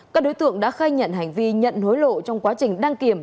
các đối tượng đã khai nhận hành vi nhận hối lộ trong quá trình đăng kiểm